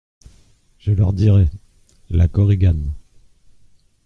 Je leur dirai … LA KORIGANE.